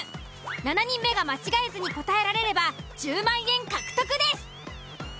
７人目が間違えずに答えられれば１０万円獲得です！